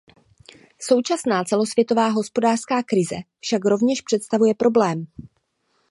Současná celosvětová hospodářská krize však rovněž představuje problém.